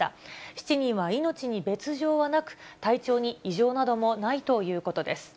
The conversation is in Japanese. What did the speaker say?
７人は命に別状はなく、体調に異常などもないということです。